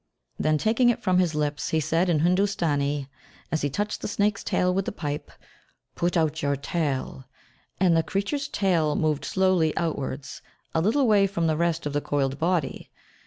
Then taking it from his lips, he said in Hindustani, as he touched the snake's tail with the pipe, "Put out your tail," and the creature's tail moved slowly outwards, a little way from the rest of the coiled body.